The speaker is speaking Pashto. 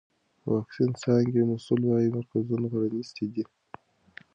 د واکسین د څانګې مسؤل وایي مرکزونه پرانیستي دي.